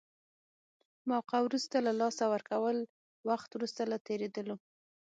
موقعه وروسته له لاسه ورکولو، وخت وروسته له تېرېدلو.